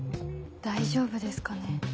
大丈夫ですかね。